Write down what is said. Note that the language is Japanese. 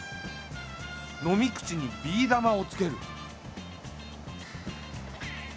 飲み口にビー玉をつける。